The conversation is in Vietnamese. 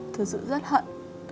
thật sự rất hận